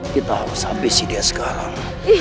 kita harus ambisi dia sekarang